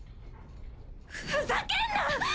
ふざけんな！